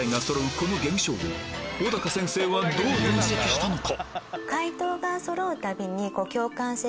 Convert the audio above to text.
この現象を小高先生はどう分析したのか？